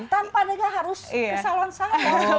tanpa negah harus ke salon satu